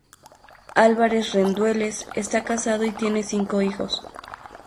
Álvarez-Rendueles está casado y tiene cinco hijos.